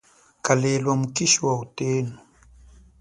Kalelwa mukishi wa utenu.